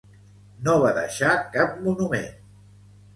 No va deixar cap monument.